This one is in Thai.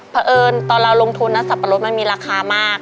เพราะเอิญตอนเราลงทุนนะสับปะรดมันมีราคามาก